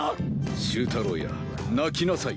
終太郎や泣きなさい。